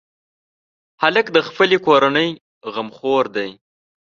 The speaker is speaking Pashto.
هلک د خپلې کورنۍ غمخور دی.